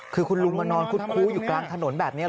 คือคุณลุงมานอนคุดคู้อยู่กลางถนนแบบนี้